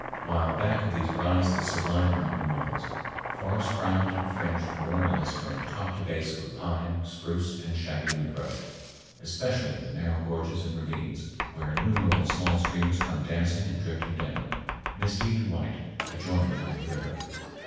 while back of these rise the sublime mountain walls, forest crowned and fringed more or less from top to base with pine, spruce, and shaggy underbrush, especially in the narrow gorges and ravines, where innumerable small streams come dancing and drifting down, misty and white, to join the mighty river.